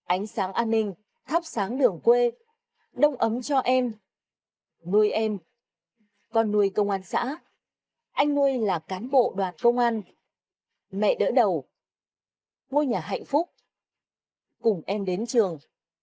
ánh sáng an ninh thắp sáng đường quê đông ấm cho em nuôi em con nuôi công an xã anh nuôi là cán bộ đoạt công an mẹ đỡ đầu ngôi nhà hạnh phúc cùng em đến trường